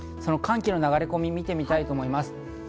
寒気の流れ込みを見てみたいと思います。